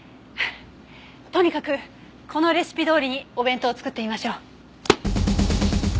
とにかくこのレシピどおりにお弁当を作ってみましょう。